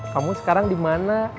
kamu sekarang di mana